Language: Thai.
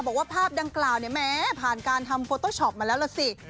บอกว่าภาพดังกล่าวเนี่ยแม้ผ่านการทำโฟโต้ช็อปมาแล้วล่ะสิ